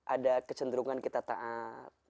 ada kecenderungan kita taat